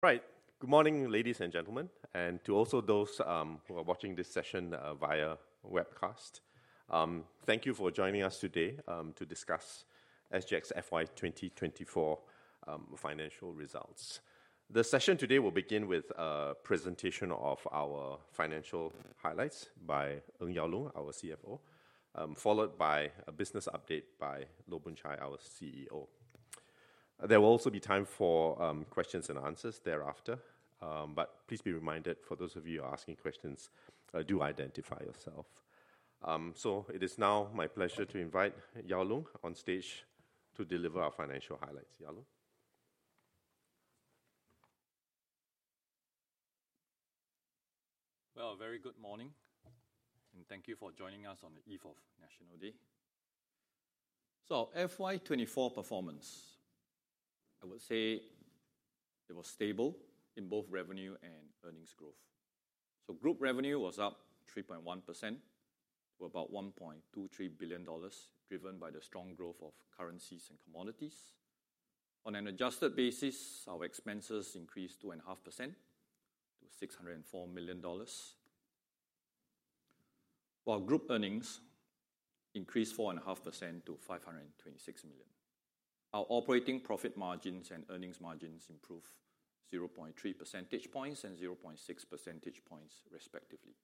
Right. Good morning, ladies and gentlemen, and to also those who are watching this session via webcast. Thank you for joining us today to discuss SGX FY 2024 financial results. The session today will begin with a presentation of our financial highlights by Ng Yao Loong, our CFO, followed by a business update by Loh Boon Chye, our CEO. There will also be time for questions and answers thereafter. Please be reminded, for those of you who are asking questions, do identify yourself. It is now my pleasure to invite Yao Loong on stage to deliver our financial highlights. Yao Loong? Well, a very good morning, and thank you for joining us on the eve of National Day. So FY 2024 performance, I would say it was stable in both revenue and earnings growth. So group revenue was up 3.1% to about 1.23 billion dollars, driven by the strong growth of currencies and commodities. On an adjusted basis, our expenses increased 2.5% to 604 million dollars, while group earnings increased 4.5% to 526 million. Our operating profit margins and earnings margins improved 0.3 percentage points and 0.6 percentage points, respectively.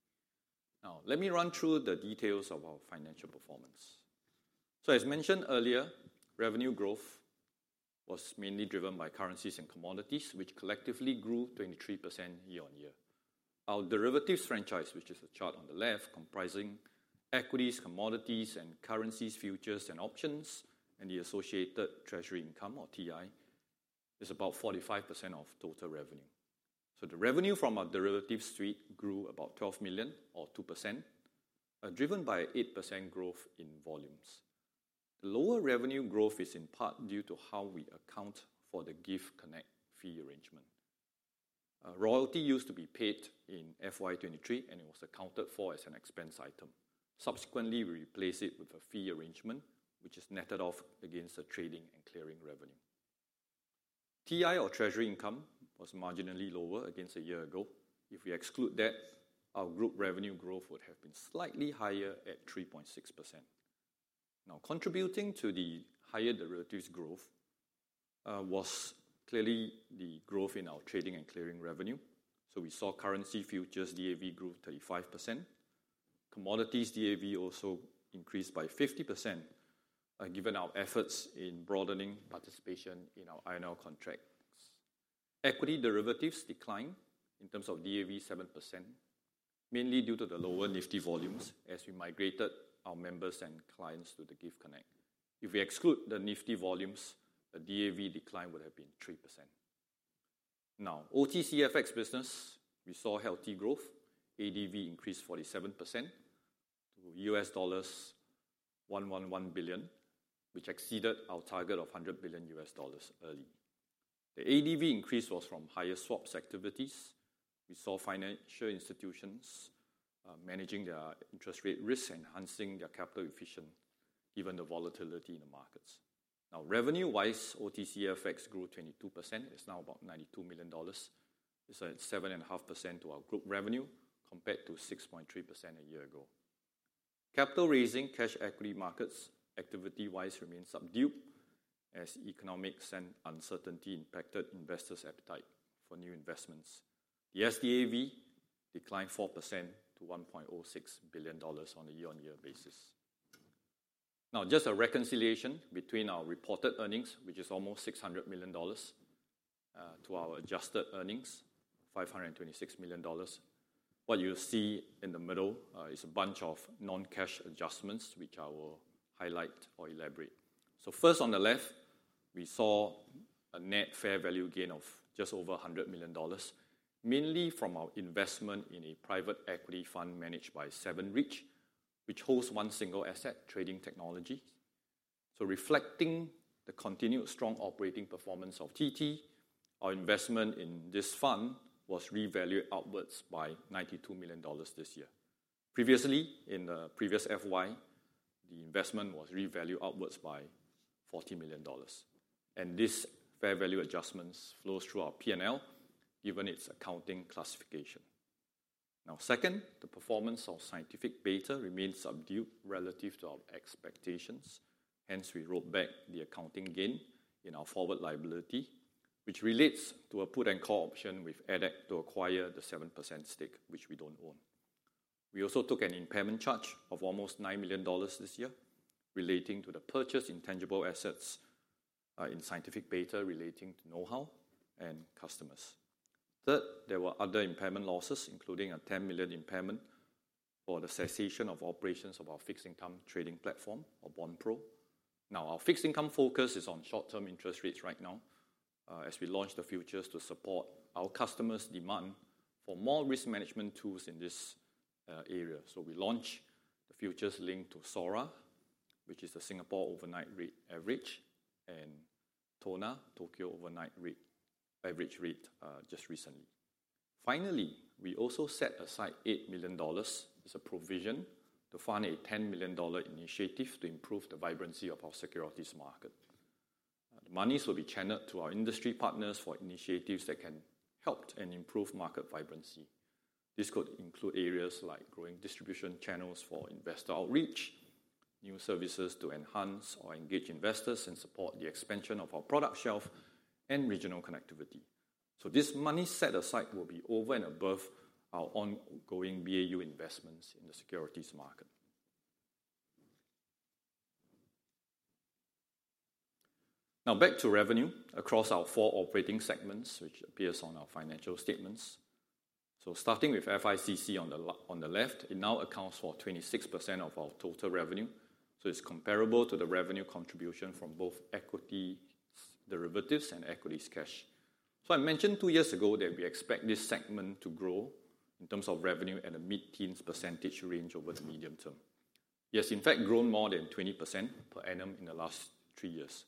Now, let me run through the details of our financial performance. So as mentioned earlier, revenue growth was mainly driven by currencies and commodities, which collectively grew 23% year-on-year. Our derivatives franchise, which is the chart on the left, comprising equities, commodities, and currencies, futures and options, and the associated treasury income, or TI, is about 45% of total revenue. So the revenue from our derivatives suite grew about 12 million or 2%, driven by 8% growth in volumes. Lower revenue growth is in part due to how we account for the GIFT Connect fee arrangement. A royalty used to be paid in FY 2023, and it was accounted for as an expense item. Subsequently, we replaced it with a fee arrangement, which is netted off against the trading and clearing revenue. TI, or treasury income, was marginally lower against a year ago. If we exclude that, our group revenue growth would have been slightly higher at 3.6%. Now, contributing to the higher derivatives growth was clearly the growth in our trading and clearing revenue. So we saw currency futures, DAV grew 35%. Commodities, DAV also increased by 50%, given our efforts in broadening participation in our iron ore contracts. Equity derivatives declined in terms of DAV, 7%, mainly due to the lower Nifty volumes as we migrated our members and clients to the GIFT Connect. If we exclude the Nifty volumes, the DAV decline would have been 3%. Now, OTC FX business, we saw healthy growth. ADV increased 47% to $111 billion, which exceeded our target of $100 billion early. The ADV increase was from higher swaps activities. We saw financial institutions managing their interest rate risks, enhancing their capital efficient, given the volatility in the markets. Now, revenue-wise, OTC FX grew 22%. It's now about 92 million dollars. It's at 7.5% to our group revenue, compared to 6.3% a year ago. Capital raising, cash equity markets, activity-wise, remains subdued as economics and uncertainty impacted investors' appetite for new investments. The SDAV declined 4% to 1.06 billion dollars on a year-on-year basis. Now, just a reconciliation between our reported earnings, which is almost 600 million dollars, to our adjusted earnings, 526 million dollars. What you'll see in the middle is a bunch of non-cash adjustments, which I will highlight or elaborate. So first, on the left, we saw a net fair value gain of just over 100 million dollars, mainly from our investment in a private equity fund managed by 7RIDGE, which hosts one single asset, Trading Technologies. So reflecting the continued strong operating performance of TT, our investment in this fund was revalued upwards by $92 million this year. Previously, in the previous FY, the investment was revalued upwards by $40 million, and this fair value adjustments flows through our PNL, given its accounting classification. Now, second, the performance of Scientific Beta remains subdued relative to our expectations. Hence, we wrote back the accounting gain in our forward liability, which relates to a put and call option with EDHEC to acquire the 7% stake, which we don't own. We also took an impairment charge of almost $9 million this year, relating to purchased intangible assets in Scientific Beta relating to know-how and customers. Third, there were other impairment losses, including a $10 million impairment for the cessation of operations of our fixed income trading platform, or Bond Pro. Now, our fixed income focus is on short-term interest rates right now, as we launch the futures to support our customers' demand for more risk management tools in this, area. So we launched the futures linked to SORA, which is the Singapore Overnight Rate Average, and TONA, Tokyo Overnight Average Rate, just recently. Finally, we also set aside 8 million dollars as a provision to fund a 10 million dollar initiative to improve the vibrancy of our securities market. The monies will be channeled to our industry partners for initiatives that can help and improve market vibrancy. This could include areas like growing distribution channels for investor outreach, new services to enhance or engage investors, and support the expansion of our product shelf and regional connectivity. So this money set aside will be over and above our ongoing BAU investments in the securities market. Now, back to revenue across our four operating segments, which appears on our financial statements. So starting with FICC on the left, it now accounts for 26% of our total revenue, so it's comparable to the revenue contribution from both equity derivatives and equities cash. So I mentioned 2 years ago that we expect this segment to grow in terms of revenue at a mid-teens % range over the medium term. It has, in fact, grown more than 20% per annum in the last three years.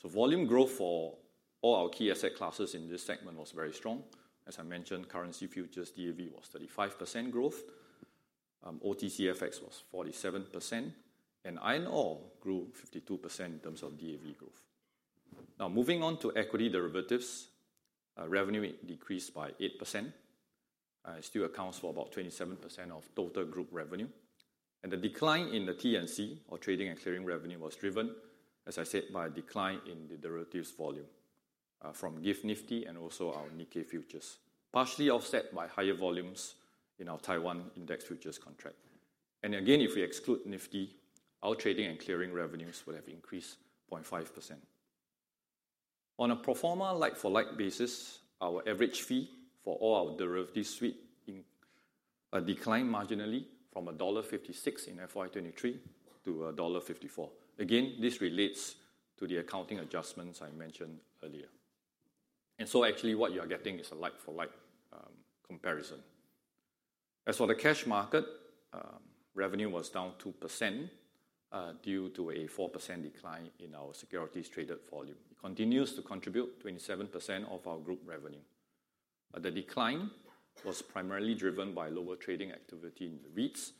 So volume growth for all our key asset classes in this segment was very strong. As I mentioned, currency futures DAV was 35% growth, OTC FX was 47%, and iron ore grew 52% in terms of DAV growth. Now, moving on to equity derivatives, revenue decreased by 8%. It still accounts for about 27% of total group revenue, and the decline in the T&C, or trading and clearing revenue, was driven, as I said, by a decline in the derivatives volume from GIFT Nifty and also our Nikkei futures, partially offset by higher volumes in our Taiwan index futures contract. And again, if we exclude Nifty, our trading and clearing revenues would have increased 0.5%. On a pro forma, like-for-like basis, our average fee for all our derivatives suite declined marginally from dollar 1.56 in FY 2023 to dollar 1.54. Again, this relates to the accounting adjustments I mentioned earlier. And so actually, what you are getting is a like-for-like comparison. As for the cash market, revenue was down 2%, due to a 4% decline in our securities traded volume. It continues to contribute 27% of our group revenue. But the decline was primarily driven by lower trading activity in the REITs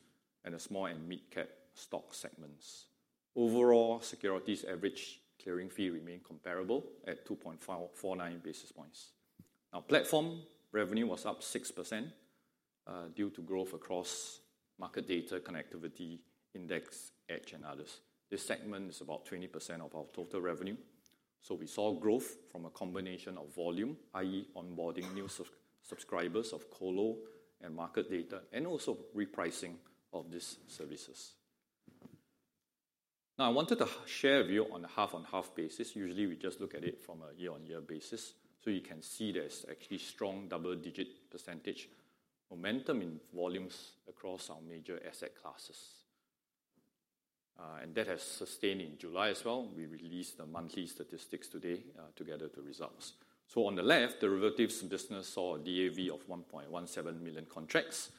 and the small and mid-cap stock segments. Overall, securities average clearing fee remained comparable at 2.49 basis points. Now, platform revenue was up 6%, due to growth across market data, connectivity, Index Edge, and others. This segment is about 20% of our total revenue. So we saw growth from a combination of volume, i.e., onboarding new subscribers of co-lo and market data, and also repricing of these services. Now, I wanted to share a view on a half-on-half basis. Usually, we just look at it from a year-on-year basis. So you can see there's actually strong double-digit percentage momentum in volumes across our major asset classes, and that has sustained in July as well. We released the monthly statistics today, together with the results. So on the left, derivatives business saw a DAV of 1.17 million contracts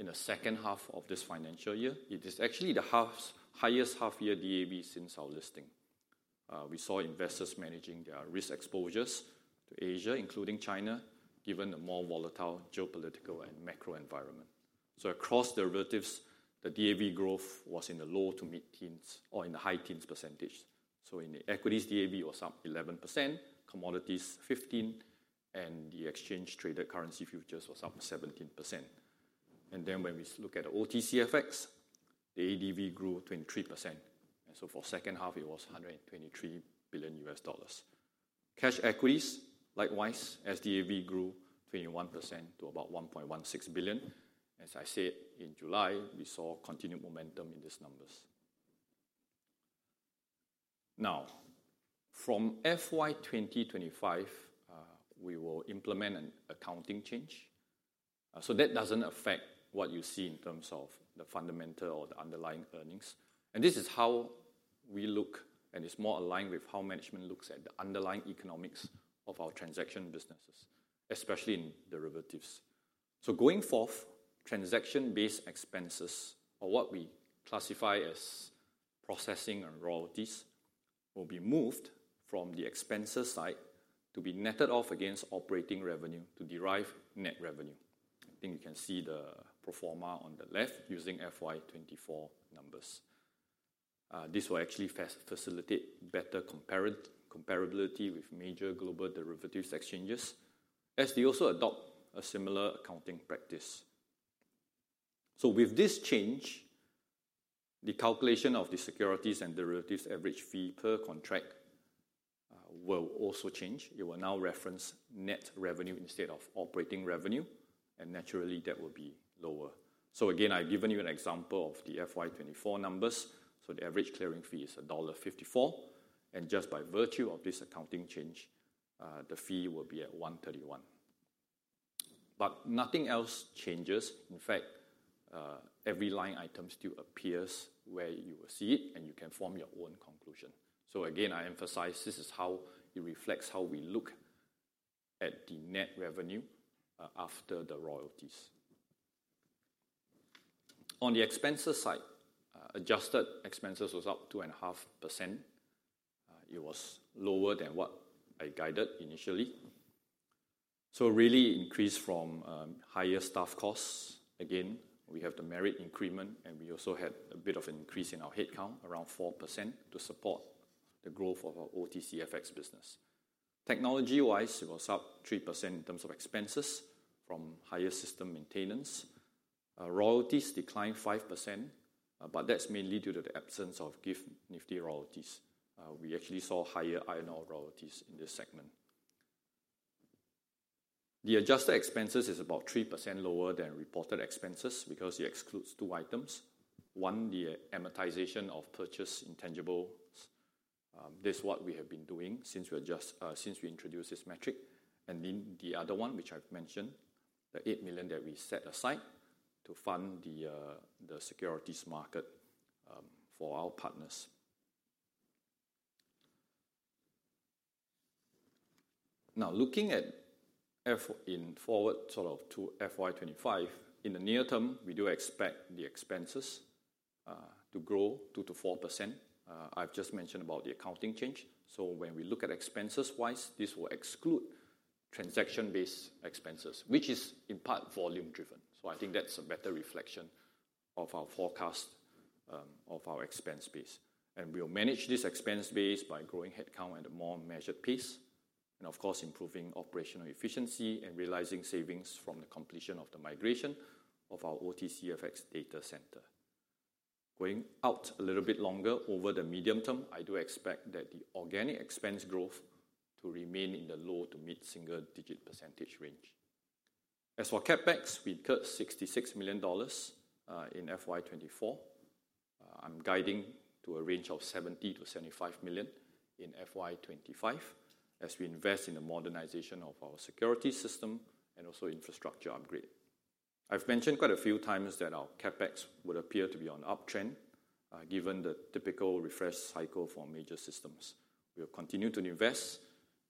in the second half of this financial year. It is actually the half-year's highest half-year DAV since our listing. We saw investors managing their risk exposures to Asia, including China, given the more volatile geopolitical and macro environment. So across derivatives, the DAV growth was in the low- to mid-teens or in the high-teens %. So in the equities, DAV was up 11%, commodities 15%, and the exchange-traded currency futures was up 17%. And then when we look at OTC FX, the ADV grew 23%, and so for second half, it was $123 billion. Cash equities, likewise, as DAV grew 21% to about 1.16 billion. As I said, in July, we saw continued momentum in these numbers. Now, from FY 2025, we will implement an accounting change. So that doesn't affect what you see in terms of the fundamental or the underlying earnings. And this is how we look, and it's more aligned with how management looks at the underlying economics of our transaction businesses, especially in derivatives. So going forth, transaction-based expenses, or what we classify as processing and royalties, will be moved from the expenses side to be netted off against operating revenue to derive net revenue. I think you can see the pro forma on the left using FY 2024 numbers. This will actually facilitate better comparability with major global derivatives exchanges, as they also adopt a similar accounting practice. So with this change, the calculation of the securities and derivatives average fee per contract will also change. It will now reference net revenue instead of operating revenue, and naturally, that will be lower. So again, I've given you an example of the FY 2024 numbers. So the average clearing fee is dollar 1.54, and just by virtue of this accounting change, the fee will be at 1.31. But nothing else changes. In fact, every line item still appears where you will see it, and you can form your own conclusion. So again, I emphasize this is how it reflects how we look at the net revenue after the royalties.... On the expenses side, adjusted expenses was up 2.5%. It was lower than what I guided initially. So really increased from higher staff costs. Again, we have the merit increment, and we also had a bit of an increase in our headcount, around 4%, to support the growth of our OTC FX business. Technology-wise, it was up 3% in terms of expenses from higher system maintenance. Royalties declined 5%, but that's mainly due to the absence of GIFT Nifty royalties. We actually saw higher INR royalties in this segment. The adjusted expenses is about 3% lower than reported expenses because it excludes two items. One, the amortization of purchased intangibles. This is what we have been doing since we introduced this metric. And then the other one, which I've mentioned, the 8 million that we set aside to fund the securities market for our partners. Now, looking forward, sort of to FY 2025, in the near term, we do expect the expenses to grow 2%-4%. I've just mentioned about the accounting change. So when we look at expenses-wise, this will exclude transaction-based expenses, which is, in part, volume-driven. So I think that's a better reflection of our forecast of our expense base. And we'll manage this expense base by growing headcount at a more measured pace, and of course, improving operational efficiency and realizing savings from the completion of the migration of our OTC FX data center. Going out a little bit longer, over the medium term, I do expect that the organic expense growth to remain in the low- to mid-single-digit % range. As for CapEx, we cut SGD 66 million in FY 2024. I'm guiding to a range of 70 million-75 million in FY 2025 as we invest in the modernization of our security system and also infrastructure upgrade. I've mentioned quite a few times that our CapEx would appear to be on an uptrend, given the typical refresh cycle for major systems. We have continued to invest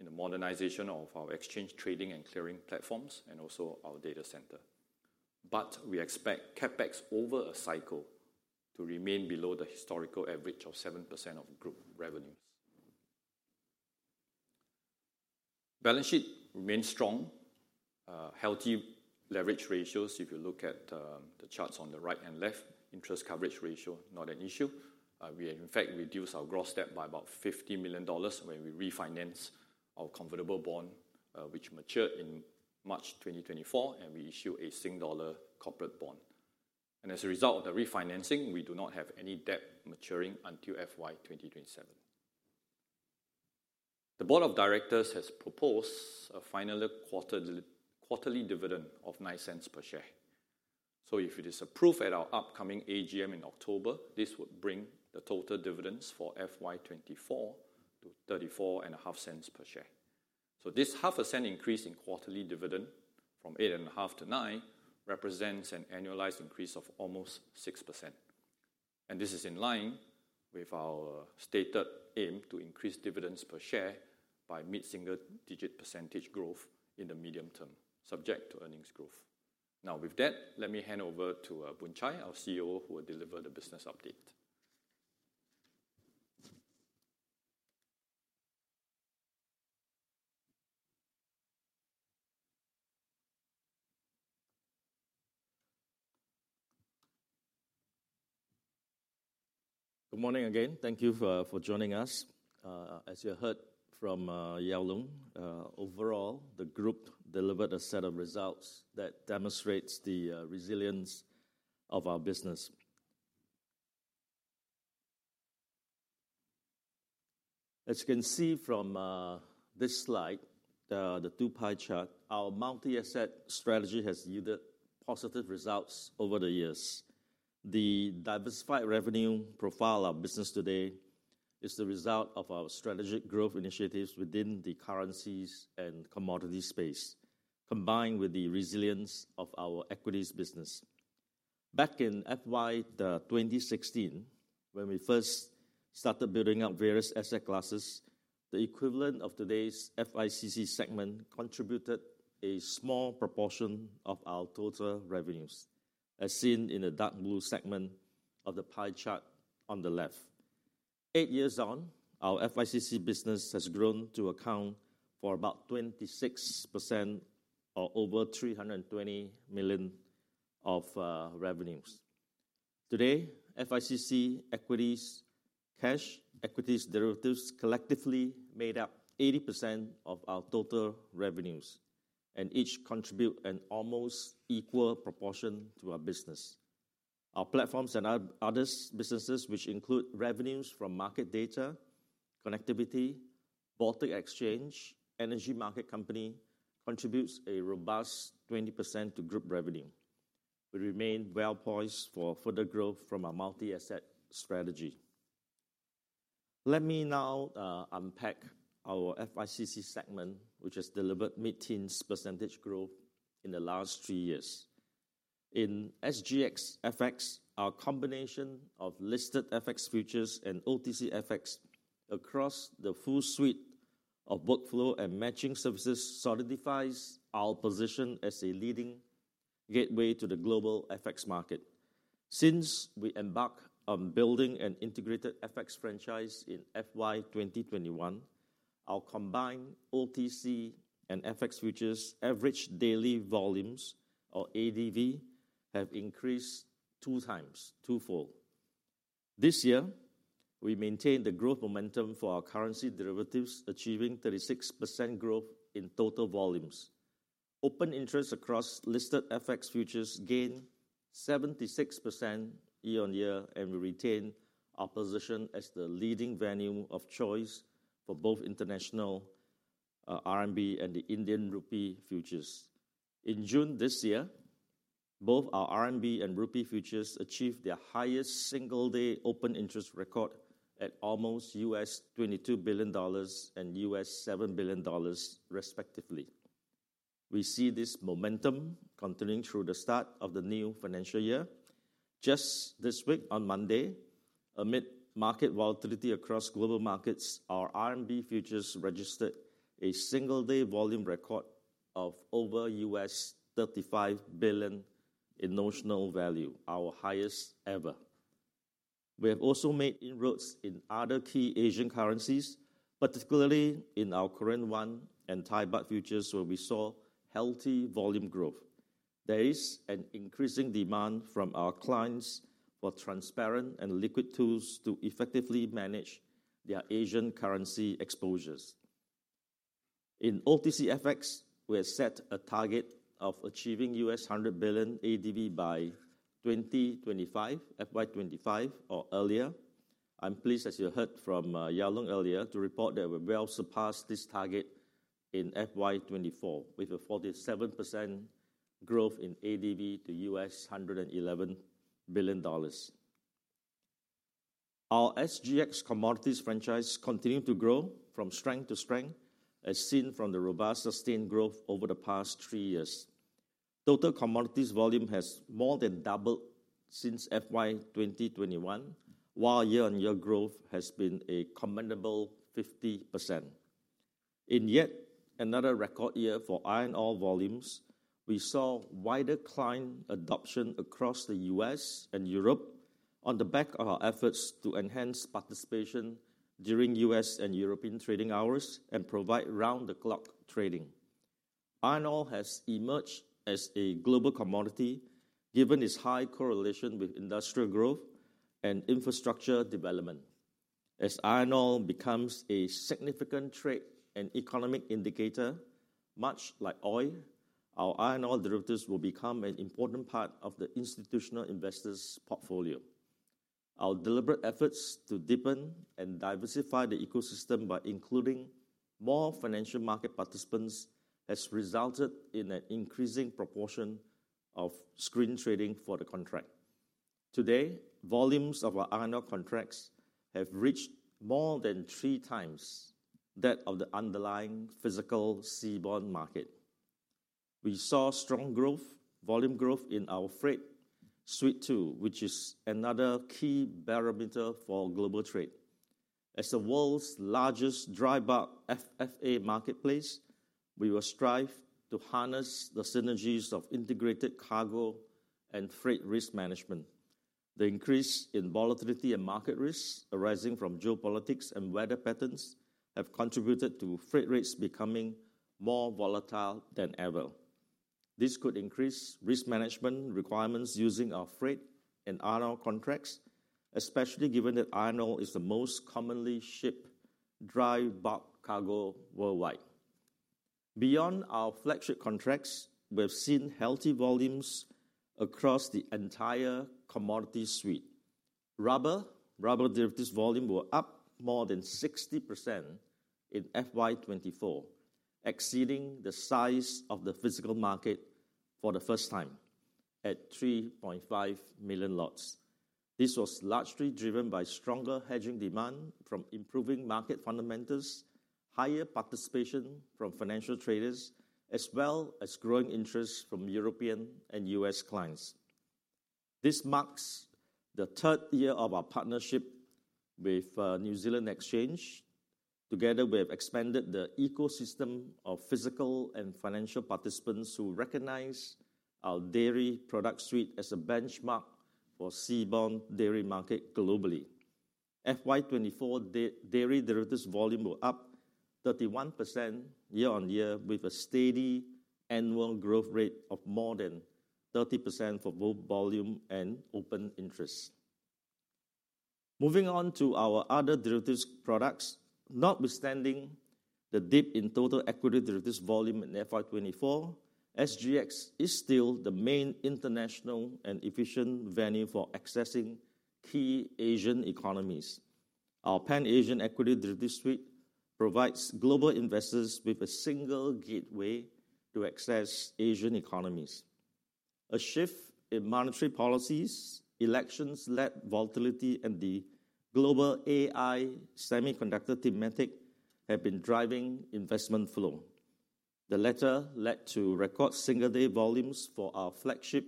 in the modernization of our exchange trading and clearing platforms and also our data center. But we expect CapEx over a cycle to remain below the historical average of 7% of group revenues. Balance sheet remains strong. Healthy leverage ratios, if you look at the charts on the right and left, interest coverage ratio, not an issue. We, in fact, reduced our gross debt by about $50 million when we refinanced our convertible bond, which matured in March 2024, and we issued a Singapore dollar corporate bond. As a result of the refinancing, we do not have any debt maturing until FY 2027. The board of directors has proposed a final quarterly dividend of 0.09 per share. So if it is approved at our upcoming AGM in October, this would bring the total dividends for FY 2024 to 0.345 per share. So this SGD 0.005 increase in quarterly dividend from 0.085 to 0.09 represents an annualized increase of almost 6%, and this is in line with our stated aim to increase dividends per share by mid-single-digit percentage growth in the medium term, subject to earnings growth. Now, with that, let me hand over to Boon Chye, our CEO, who will deliver the business update. Good morning again. Thank you for joining us. As you heard from Yao Loong, overall, the group delivered a set of results that demonstrates the resilience of our business. As you can see from this slide, the two-pie chart, our multi-asset strategy has yielded positive results over the years. The diversified revenue profile of business today is the result of our strategic growth initiatives within the currencies and commodity space, combined with the resilience of our equities business. Back in FY 2016, when we first started building up various asset classes, the equivalent of today's FICC segment contributed a small proportion of our total revenues, as seen in the dark blue segment of the pie chart on the left. Eight years on, our FICC business has grown to account for about 26% of over SGD 320 million of revenues. Today, FICC equities, cash equities derivatives, collectively made up 80% of our total revenues, and each contribute an almost equal proportion to our business. Our platforms and other businesses, which include revenues from market data, connectivity, Baltic Exchange, Energy Market Company, contributes a robust 20% to group revenue. We remain well-poised for further growth from our multi-asset strategy. Let me now unpack our FICC segment, which has delivered mid-teens % growth in the last three years. In SGX FX, our combination of listed FX futures and OTC FX across the full suite of workflow and matching services solidifies our position as a leading gateway to the global FX market. Since we embarked on building an integrated FX franchise in FY 2021, our combined OTC and FX futures average daily volumes, or ADV, have increased two times, twofold. This year, we maintained the growth momentum for our currency derivatives, achieving 36% growth in total volumes. Open interest across listed FX futures gained 76% year-on-year, and we retain our position as the leading venue of choice for both international RMB and the Indian rupee futures. In June this year, both our RMB and rupee futures achieved their highest single-day open interest record at almost $22 billion and $7 billion, respectively. We see this momentum continuing through the start of the new financial year. Just this week, on Monday, amid market volatility across global markets, our RMB futures registered a single-day volume record of over $35 billion in notional value, our highest ever. We have also made inroads in other key Asian currencies, particularly in our Korean won and Thai baht futures, where we saw healthy volume growth. There is an increasing demand from our clients for transparent and liquid tools to effectively manage their Asian currency exposures. In OTC FX, we have set a target of achieving $100 billion ADV by 2025, FY 2025, or earlier. I'm pleased, as you heard from, Yao Loong earlier, to report that we've well surpassed this target in FY 2024, with a 47% growth in ADV to $111 billion. Our SGX commodities franchise continue to grow from strength to strength, as seen from the robust sustained growth over the past three years. Total commodities volume has more than doubled since FY 2021, while year-on-year growth has been a commendable 50%. In yet another record year for iron ore volumes, we saw wider client adoption across the U.S. and Europe on the back of our efforts to enhance participation during U.S. and European trading hours and provide round-the-clock trading. Iron ore has emerged as a global commodity, given its high correlation with industrial growth and infrastructure development. As iron ore becomes a significant trade and economic indicator, much like oil, our iron ore derivatives will become an important part of the institutional investors' portfolio. Our deliberate efforts to deepen and diversify the ecosystem by including more financial market participants has resulted in an increasing proportion of screen trading for the contract. Today, volumes of our iron ore contracts have reached more than three times that of the underlying physical seaborne market. We saw strong growth, volume growth, in our freight suite, too, which is another key barometer for global trade. As the world's largest dry bulk FFA marketplace, we will strive to harness the synergies of integrated cargo and freight risk management. The increase in volatility and market risks arising from geopolitics and weather patterns have contributed to freight rates becoming more volatile than ever. This could increase risk management requirements using our freight and iron ore contracts, especially given that iron ore is the most commonly shipped dry bulk cargo worldwide. Beyond our flagship contracts, we have seen healthy volumes across the entire commodity suite. Rubber, rubber derivatives volume were up more than 60% in FY 2024, exceeding the size of the physical market for the first time at 3.5 million lots. This was largely driven by stronger hedging demand from improving market fundamentals, higher participation from financial traders, as well as growing interest from European and U.S. clients. This marks the third year of our partnership with New Zealand Exchange. Together, we have expanded the ecosystem of physical and financial participants who recognize our dairy product suite as a benchmark for seaborne dairy market globally. FY 2024 dairy derivatives volume were up 31% year-on-year, with a steady annual growth rate of more than 30% for both volume and open interest. Moving on to our other derivatives products, notwithstanding the dip in total equity derivatives volume in FY 2024, SGX is still the main international and efficient venue for accessing key Asian economies. Our Pan-Asian Equity Derivatives Suite provides global investors with a single gateway to access Asian economies. A shift in monetary policies, elections-led volatility, and the global AI semiconductor thematic have been driving investment flow.... The latter led to record single-day volumes for our flagship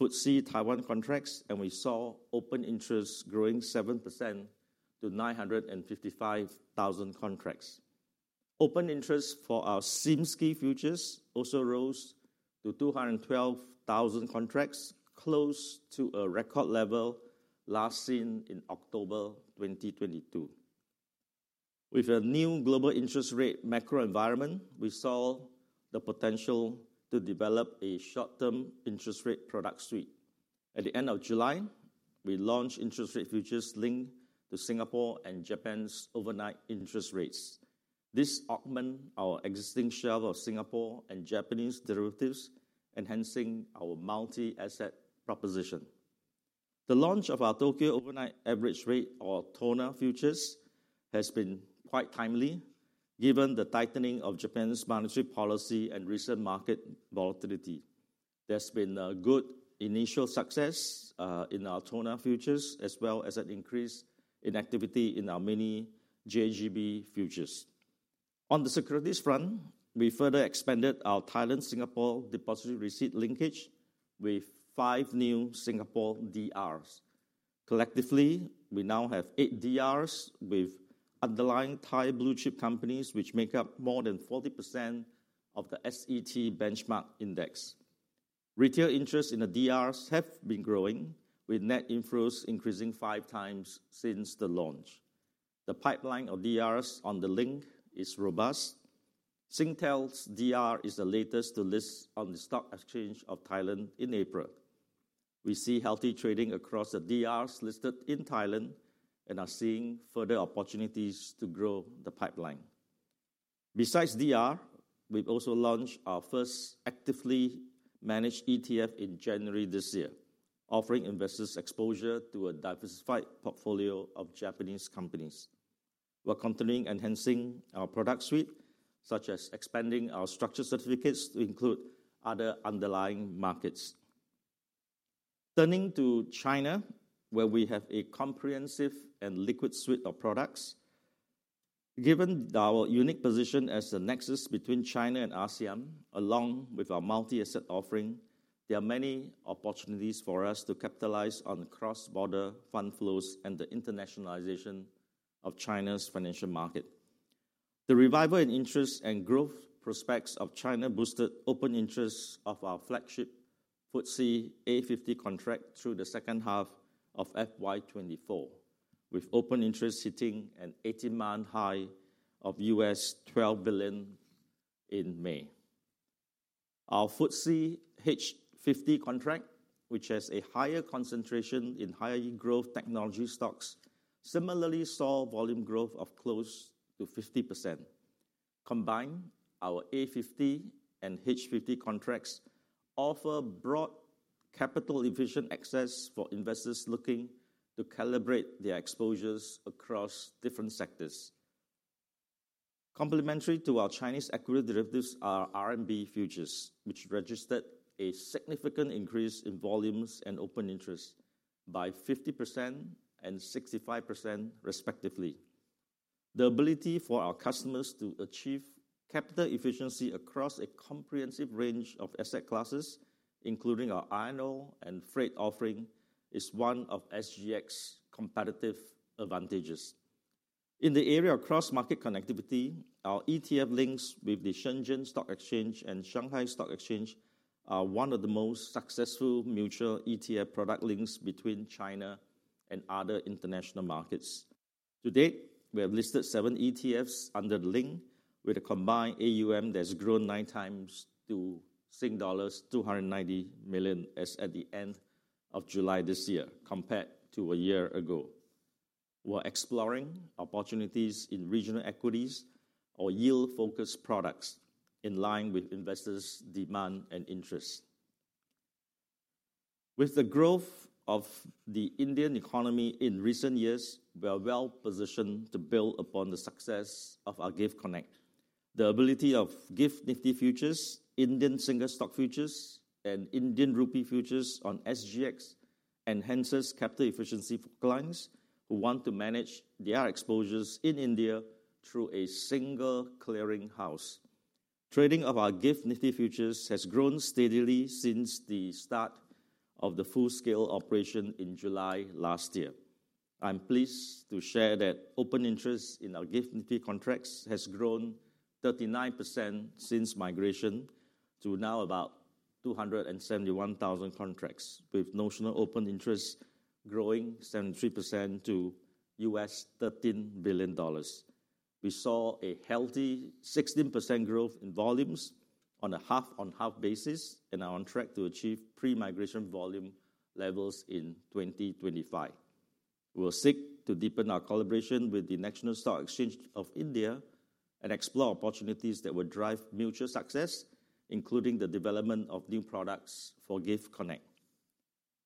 FTSE Taiwan contracts, and we saw open interest growing 7% to 955,000 contracts. Open interest for our SiMSCI futures also rose to 212,000 contracts, close to a record level last seen in October 2022. With a new global interest rate macro environment, we saw the potential to develop a short-term interest rate product suite. At the end of July, we launched interest rate futures linked to Singapore and Japan's overnight interest rates. This augments our existing share of Singapore and Japanese derivatives, enhancing our multi-asset proposition. The launch of our Tokyo Overnight Average Rate, or TONA futures, has been quite timely, given the tightening of Japan's monetary policy and recent market volatility. There's been a good initial success in our TONA Futures, as well as an increase in activity in our Mini JGB Futures. On the securities front, we further expanded our Thailand-Singapore DR Linkage with 5 new Singapore DRs. Collectively, we now have 8 DRs with underlying Thai blue-chip companies, which make up more than 40% of the SET benchmark index. Retail interest in the DRs have been growing, with net inflows increasing 5 times since the launch. The pipeline of DRs on the link is robust. Singtel's DR is the latest to list on the Stock Exchange of Thailand in April. We see healthy trading across the DRs listed in Thailand and are seeing further opportunities to grow the pipeline. Besides DR, we've also launched our first actively managed ETF in January this year, offering investors exposure to a diversified portfolio of Japanese companies. We're continuing enhancing our product suite, such as expanding our Structured Certificates to include other underlying markets. Turning to China, where we have a comprehensive and liquid suite of products. Given our unique position as the nexus between China and ASEAN, along with our multi-asset offering, there are many opportunities for us to capitalize on cross-border fund flows and the internationalization of China's financial market. The revival in interest and growth prospects of China boosted open interest of our flagship FTSE A50 contract through the second half of FY 2024, with open interest hitting an 18-month high of $12 billion in May. Our FTSE H50 contract, which has a higher concentration in higher growth technology stocks, similarly saw volume growth of close to 50%. Combined, our A50 and H50 contracts offer broad capital-efficient access for investors looking to calibrate their exposures across different sectors. Complementary to our Chinese equity derivatives are RMB futures, which registered a significant increase in volumes and open interest by 50% and 65%, respectively. The ability for our customers to achieve capital efficiency across a comprehensive range of asset classes, including our iron ore and freight offering, is one of SGX's competitive advantages. In the area of cross-market connectivity, our ETF links with the Shenzhen Stock Exchange and Shanghai Stock Exchange are one of the most successful mutual ETF product links between China and other international markets. To date, we have listed 7 ETFs under the link, with a combined AUM that's grown 9 times to dollars 290 million as at the end of July this year, compared to a year ago. We're exploring opportunities in regional equities or yield-focused products in line with investors' demand and interest. With the growth of the Indian economy in recent years, we are well-positioned to build upon the success of our GIFT Connect. The ability of GIFT Nifty Futures, Indian Single Stock Futures, and Indian Rupee Futures on SGX enhances capital efficiency for clients who want to manage their exposures in India through a single clearing house. Trading of our GIFT Nifty Futures has grown steadily since the start of the full-scale operation in July last year. I'm pleased to share that open interest in our GIFT Nifty contracts has grown 39% since migration to now about 271,000 contracts, with notional open interest growing 73% to $13 billion. We saw a healthy 16% growth in volumes on a half-on-half basis and are on track to achieve pre-migration volume levels in 2025. We will seek to deepen our collaboration with the National Stock Exchange of India and explore opportunities that will drive mutual success, including the development of new products for GIFT Connect.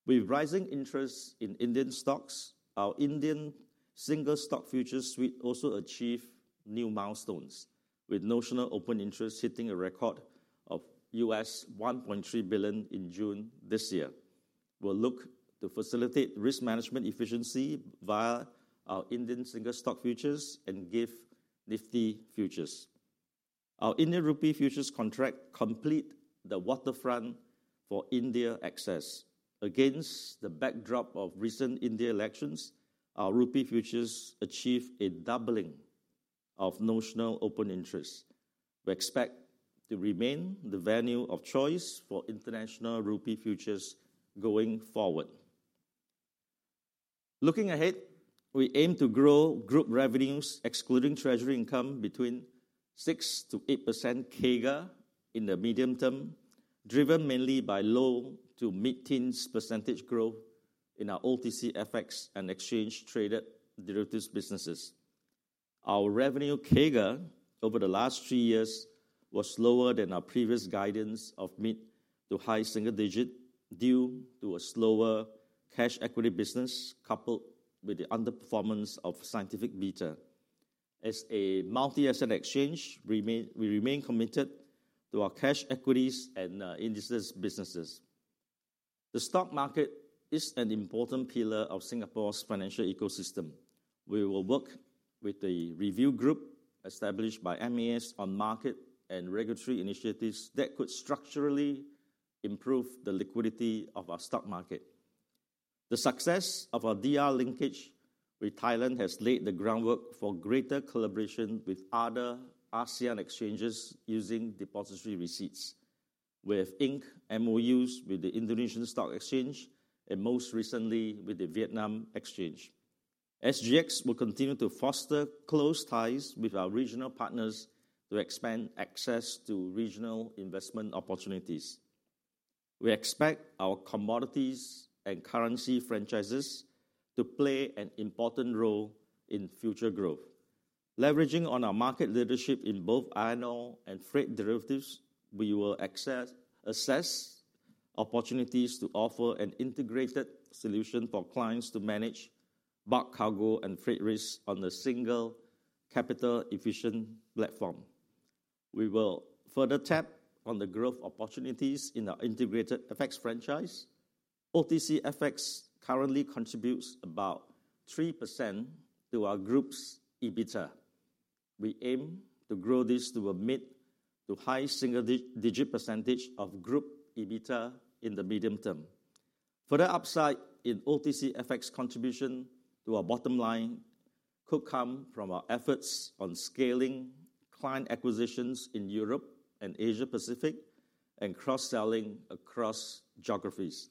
With rising interest in Indian stocks, our Indian single stock futures suite also achieve new milestones, with notional open interest hitting a record of $1.3 billion in June this year.... will look to facilitate risk management efficiency via our Indian single stock futures and GIFT Nifty futures. Our Indian rupee futures contract complete the waterfront for India access. Against the backdrop of recent India elections, our rupee futures achieve a doubling of notional open interest. We expect to remain the venue of choice for international rupee futures going forward. Looking ahead, we aim to grow group revenues, excluding treasury income, between 6%-8% CAGR in the medium term, driven mainly by low- to mid-teens % growth in our OTC FX and exchange-traded derivatives businesses. Our revenue CAGR over the last 3 years was slower than our previous guidance of mid- to high single-digit, due to a slower cash equity business, coupled with the underperformance of Scientific Beta. As a multi-asset exchange, we remain committed to our cash equities and indices businesses. The stock market is an important pillar of Singapore's financial ecosystem. We will work with the review group established by MAS on market and regulatory initiatives that could structurally improve the liquidity of our stock market. The success of our DR linkage with Thailand has laid the groundwork for greater collaboration with other ASEAN exchanges using depository receipts. We have inked MOUs with the Indonesian Stock Exchange and most recently with the Vietnam Exchange. SGX will continue to foster close ties with our regional partners to expand access to regional investment opportunities. We expect our commodities and currency franchises to play an important role in future growth. Leveraging on our market leadership in both iron ore and freight derivatives, we will assess opportunities to offer an integrated solution for clients to manage bulk cargo and freight risk on a single capital-efficient platform. We will further tap on the growth opportunities in our integrated FX franchise. OTC FX currently contributes about 3% to our group's EBITDA. We aim to grow this to a mid- to high single-digit percentage of group EBITDA in the medium term. Further upside in OTC FX contribution to our bottom line could come from our efforts on scaling client acquisitions in Europe and Asia Pacific, and cross-selling across geographies.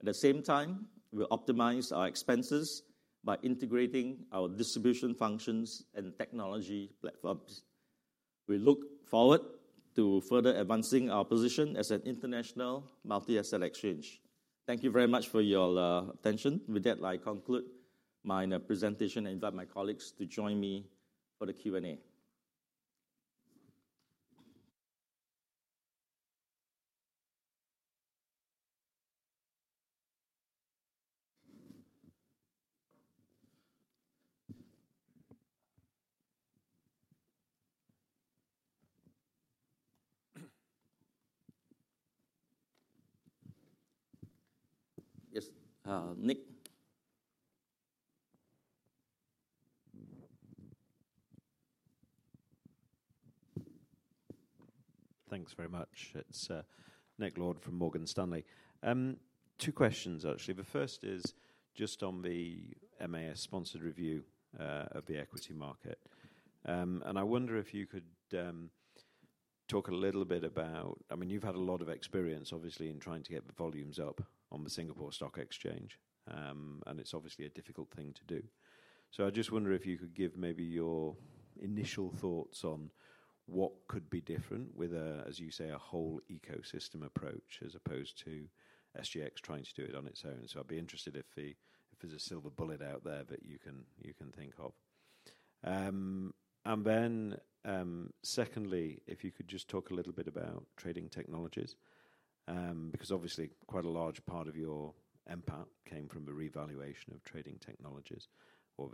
At the same time, we'll optimize our expenses by integrating our distribution functions and technology platforms. We look forward to further advancing our position as an international multi-asset exchange. Thank you very much for your attention. With that, I conclude my presentation, and invite my colleagues to join me for the Q&A. Yes, Nick? Thanks very much. It's Nick Lord from Morgan Stanley. Two questions, actually. The first is just on the MAS-sponsored review of the equity market. And I wonder if you could talk a little bit about, I mean, you've had a lot of experience, obviously, in trying to get the volumes up on the Singapore Stock Exchange, and it's obviously a difficult thing to do. So I just wonder if you could give maybe your initial thoughts on what could be different with a, as you say, a whole ecosystem approach, as opposed to SGX trying to do it on its own. So I'd be interested if the, if there's a silver bullet out there that you can, you can think of. And then, secondly, if you could just talk a little bit about Trading Technologies, because obviously quite a large part of your NPAT came from the revaluation of Trading Technologies or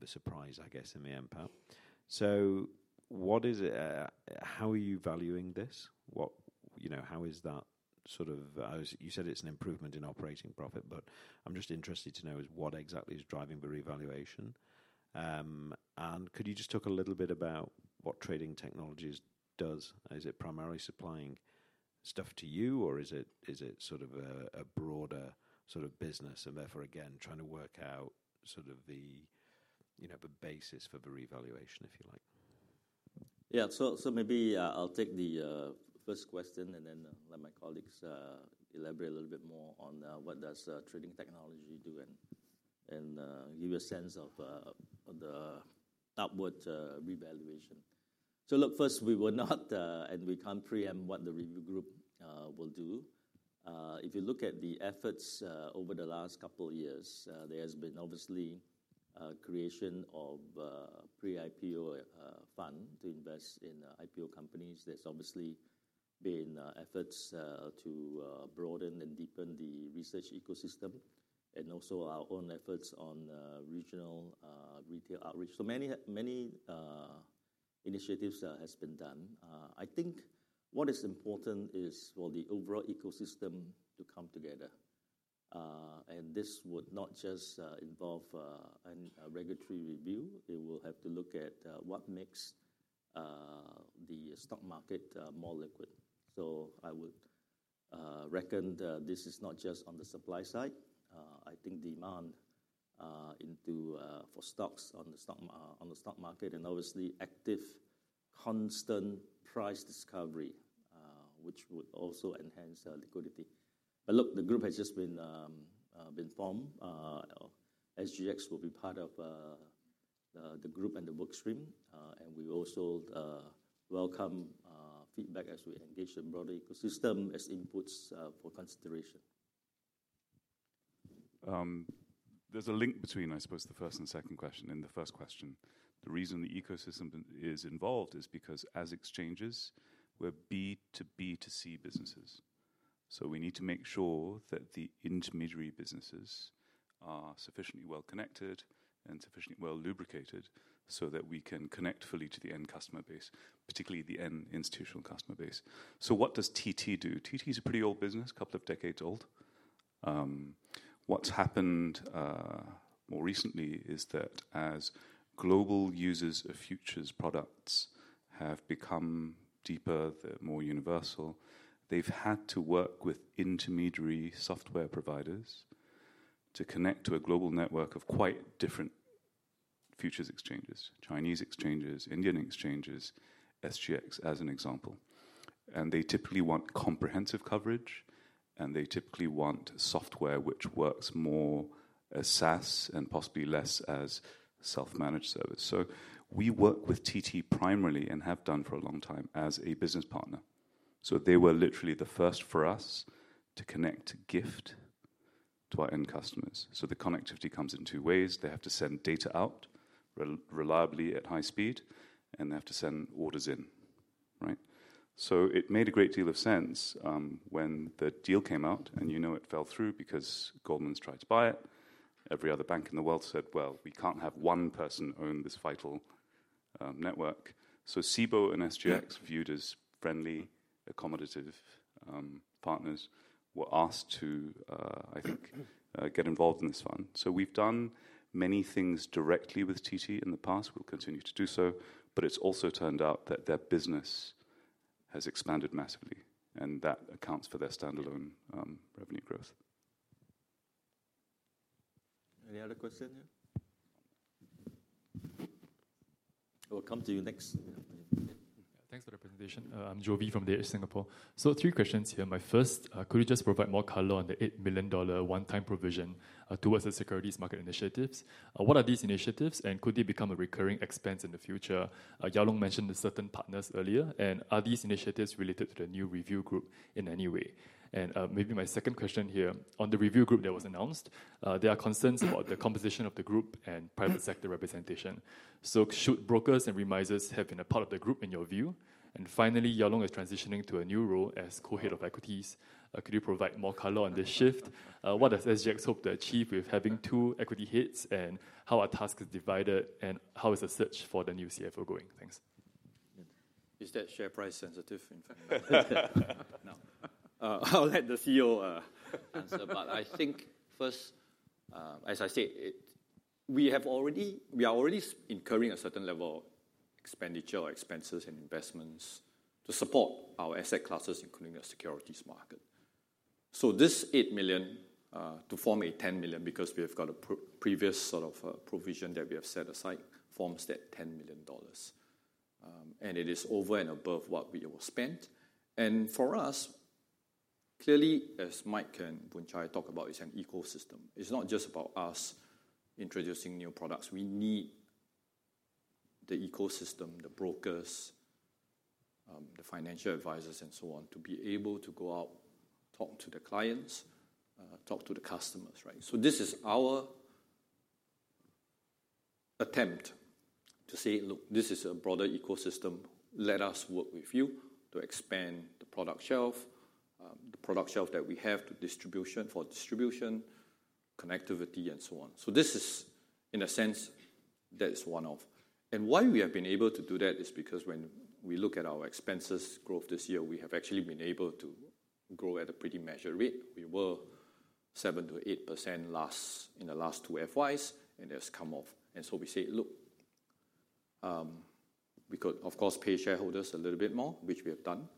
the surprise, I guess, in the NPAT. So what is it? How are you valuing this? You know, how is that sort of? You said it's an improvement in operating profit, but I'm just interested to know is, what exactly is driving the revaluation? And could you just talk a little bit about what Trading Technologies does? Is it primarily supplying stuff to you, or is it sort of a broader sort of business, and therefore, again, trying to work out sort of the, you know, the basis for the revaluation, if you like? Yeah. So maybe I'll take the first question, and then let my colleagues elaborate a little bit more on what does Trading Technologies do, and give a sense of the upward revaluation. So look, first, we will not and we can't pre-empt what the review group will do. If you look at the efforts over the last couple of years, there has been obviously creation of pre-IPO fund to invest in IPO companies. There's obviously been efforts to broaden and deepen the research ecosystem, and also our own efforts on regional retail outreach. So many, many initiatives has been done. I think what is important is for the overall ecosystem to come together. This would not just involve a regulatory review. It will have to look at what makes the stock market more liquid. So I would reckon that this is not just on the supply side. I think demand for stocks on the stock market, and obviously, active, constant price discovery, which would also enhance liquidity. But look, the group has just been formed. SGX will be part of the group and the workstream, and we also welcome feedback as we engage the broader ecosystem as inputs for consideration. There's a link between, I suppose, the first and second question, and the first question. The reason the ecosystem is involved is because, as exchanges, we're B2B2C businesses. So we need to make sure that the intermediary businesses are sufficiently well-connected and sufficiently well-lubricated, so that we can connect fully to the end customer base, particularly the end institutional customer base. So what does TT do? TT is a pretty old business, couple of decades old. What's happened more recently is that as global users of futures products have become deeper, they're more universal, they've had to work with intermediary software providers to connect to a global network of quite different futures exchanges, Chinese exchanges, Indian exchanges, SGX, as an example. And they typically want comprehensive coverage, and they typically want software which works more as SaaS and possibly less as self-managed service. So we work with TT primarily, and have done for a long time, as a business partner. So they were literally the first for us to connect GIFT to our end customers. So the connectivity comes in two ways: they have to send data out reliably at high speed, and they have to send orders in, right? So it made a great deal of sense, when the deal came out, and you know, it fell through because Goldman's tried to buy it. Every other bank in the world said, "Well, we can't have one person own this vital, network." So Cboe and SGX, viewed as friendly, accommodative, partners, were asked to, I think, get involved in this fund. So we've done many things directly with TT in the past. We'll continue to do so, but it's also turned out that their business has expanded massively, and that accounts for their standalone revenue growth. Any other question here? We'll come to you next. Yeah. Thanks for the presentation. I'm Jovi from The Edge Singapore. So 3 questions here. My first, could you just provide more color on the 8 million dollar one-time provision towards the securities market initiatives? What are these initiatives, and could they become a recurring expense in the future? Yao Loong mentioned certain partners earlier, and are these initiatives related to the new review group in any way? And, maybe my second question here, on the review group that was announced, there are concerns about the composition of the group and private sector representation. So should brokers and remisers have been a part of the group, in your view? And finally, Yao Loong is transitioning to a new role as co-head of equities. Could you provide more color on this shift? What does SGX hope to achieve with having two equity heads, and how are tasks divided, and how is the search for the new CFO going? Thanks. Is that share price sensitive information? I'll let the CEO answer. But I think first, as I said, it, we have already, we are already incurring a certain level of expenditure or expenses and investments to support our asset classes, including the securities market. So this 8 million to form a 10 million, because we have got a previous sort of provision that we have set aside, forms that 10 million dollars. And it is over and above what we will spend. And for us, clearly, as Mike and Boon Chye talk about, it's an ecosystem. It's not just about us introducing new products. We need the ecosystem, the brokers, the financial advisors, and so on, to be able to go out, talk to the clients, talk to the customers, right? So this is our attempt to say, "Look, this is a broader ecosystem. Let us work with you to expand the product shelf, the product shelf that we have for distribution, connectivity, and so on." So this is, in a sense, that is one of... And why we have been able to do that is because when we look at our expenses growth this year, we have actually been able to grow at a pretty measured rate. We were 7%-8% last, in the last two FYs, and it has come off. And so we say, "Look, we could, of course, pay shareholders a little bit more, which we have done.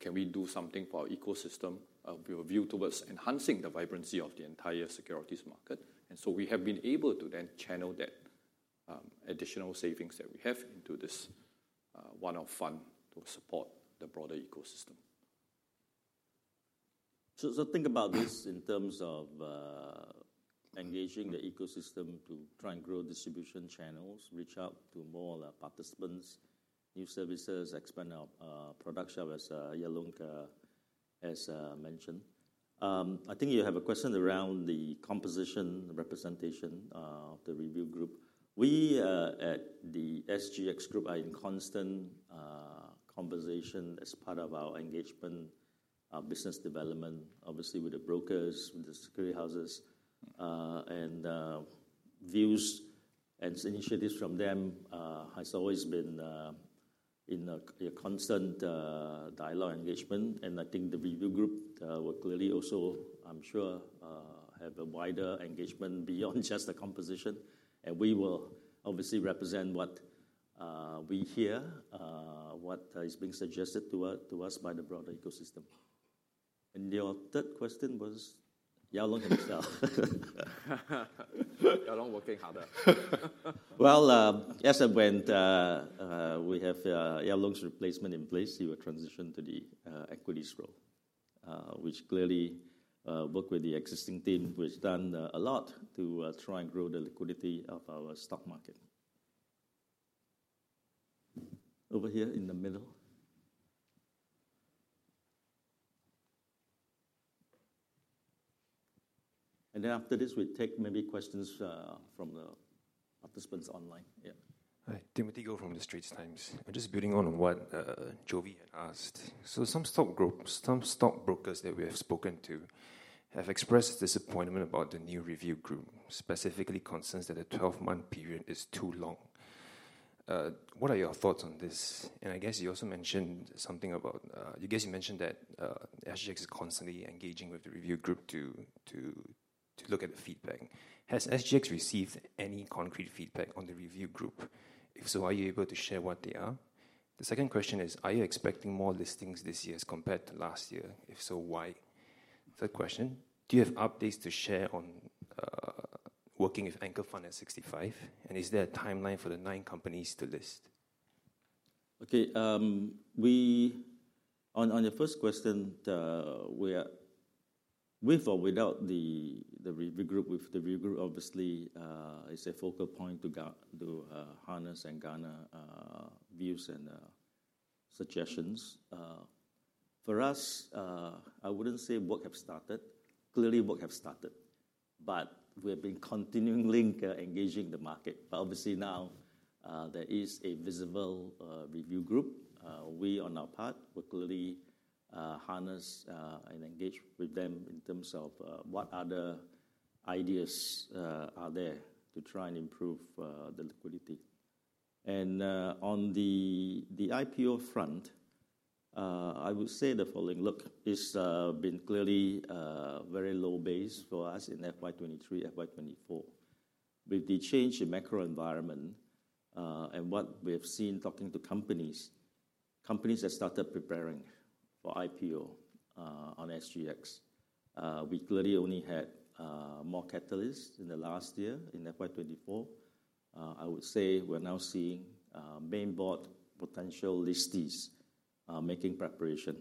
Can we do something for our ecosystem of—with a view towards enhancing the vibrancy of the entire securities market?" And so we have been able to then channel that, additional savings that we have into this, one-off fund to support the broader ecosystem. Think about this in terms of engaging the ecosystem to try and grow distribution channels, reach out to more participants, new services, expand our product shelf, as Yao Loong has mentioned. I think you have a question around the composition, the representation, of the review group. We at the SGX Group are in constant conversation as part of our engagement, our business development, obviously, with the brokers, with the securities houses. Views and initiatives from them has always been in a constant dialogue engagement. I think the review group will clearly also, I'm sure, have a wider engagement beyond just the composition. We will obviously represent what we hear, what is being suggested to us, to us by the broader ecosystem. Your third question was? Yao Loong, can you tell. Yao Loong working harder. Well, yes, and when we have Yao Loong Ng's replacement in place, he will transition to the equities role. Which clearly work with the existing team, who has done a lot to try and grow the liquidity of our stock market. Over here in the middle. And then after this, we take maybe questions from the participants online. Yeah. Hi, Timothy Goh from the Straits Times. Just building on what Jovi had asked. So some stock brokers that we have spoken to have expressed disappointment about the new review group, specifically concerns that a 12-month period is too long. What are your thoughts on this? And I guess you also mentioned something about... I guess you mentioned that SGX is constantly engaging with the review group to look at the feedback. Has SGX received any concrete feedback on the review group? If so, are you able to share what they are? The second question is, are you expecting more listings this year as compared to last year? If so, why? Third question: Do you have updates to share on working with Anchor Fund @ 65, and is there a timeline for the nine companies to list? Okay, on the first question, we are with or without the review group, with the review group, obviously, is a focal point to to harness and garner views and suggestions. For us, I wouldn't say work have started. Clearly, work have started, but we have been continually engaging the market. But obviously now, there is a visible review group. We, on our part, will clearly harness and engage with them in terms of what other ideas are there to try and improve the liquidity. And on the IPO front, I would say the following: Look, it's been clearly very low base for us in FY 2023, FY 2024. With the change in macro environment, and what we have seen talking to companies, companies have started preparing for IPO on SGX. We clearly only had more catalysts in the last year, in FY 2024. I would say we're now seeing main board potential listees making preparation,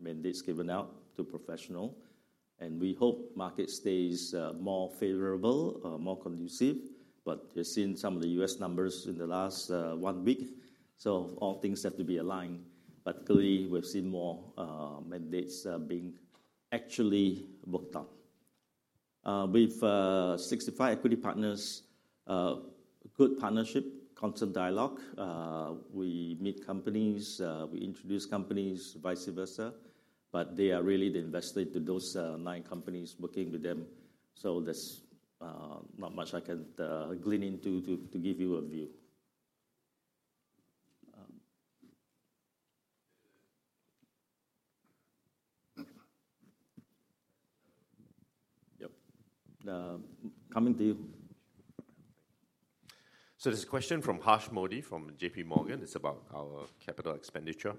mandates given out to professional, and we hope market stays more favorable, more conducive. But we've seen some of the U.S. numbers in the last 1 week, so all things have to be aligned. But clearly, we've seen more mandates being actually booked up. With 65 Equity Partners, good partnership, constant dialogue. We meet companies, we introduce companies, vice versa, but they are really the investor to those 9 companies working with them. So there's not much I can glean into to give you a view. Yep, coming to you. So this question from Harsh Modi, from JP Morgan. It's about our capital expenditure.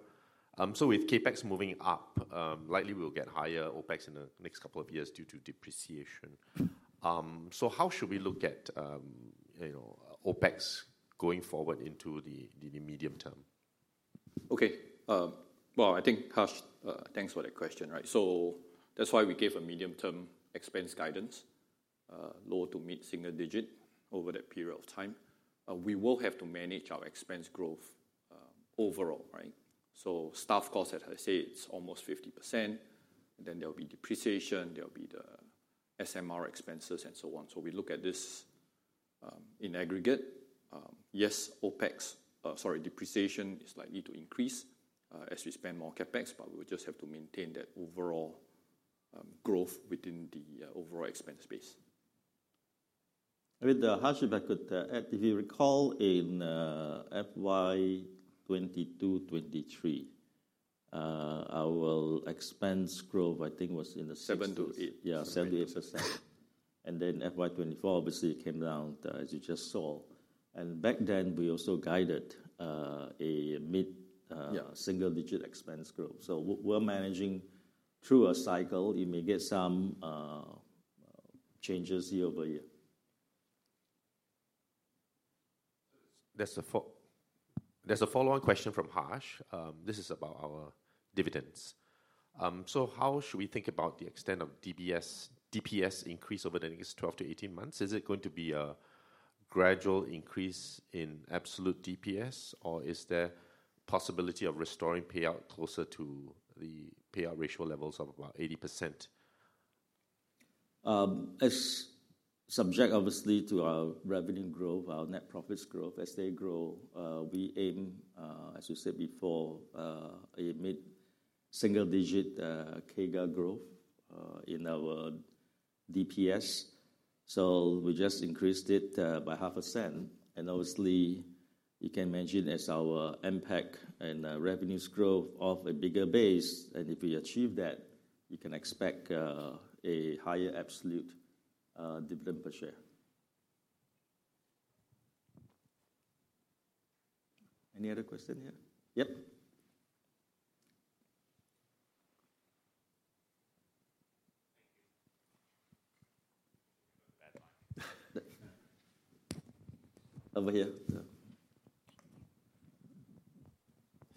So with CapEx moving up, likely we'll get higher OpEx in the next couple of years due to depreciation. So how should we look at, you know, OpEx going forward into the medium term? Okay. Well, I think, Harsh, thanks for that question, right. So that's why we gave a medium-term expense guidance, low to mid-single digit over that period of time. We will have to manage our expense growth, overall, right? So staff costs, as I say, it's almost 50%, then there will be depreciation, there will be the SMR expenses, and so on. So we look at this, in aggregate. Yes, OpEx, sorry, depreciation is likely to increase, as we spend more CapEx, but we just have to maintain that overall, growth within the, overall expense base. With that, Harsh, if I could add, if you recall, in FY 2022-2023, our expense growth, I think, was in the six- 7 to 8. Yeah, 7%-8%. And then FY 2024, obviously, it came down as you just saw. And back then, we also guided a mid- Yeah... single-digit expense growth. So we're managing through a cycle. You may get some changes year-over-year. There's a follow-on question from Harsh. This is about our dividends. So how should we think about the extent of DPS increase over the next 12 to 18 months? Is it going to be a gradual increase in absolute DPS, or is there possibility of restoring payout closer to the payout ratio levels of about 80%?... subject, obviously, to our revenue growth, our net profits growth. As they grow, we aim, as we said before, a mid-single digit CAGR growth in our DPS. So we just increased it by SGD 0.005, and obviously, you can imagine as our impact and revenues growth of a bigger base, and if we achieve that, we can expect a higher absolute dividend per share. Any other question here? Yep. Thank you. Bad line. Over here. Yeah.